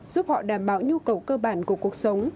giúp họ đảm bảo nhu cầu cơ bản của cuộc sống